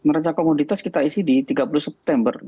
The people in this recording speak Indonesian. mereka komoditas kita isi di tiga puluh september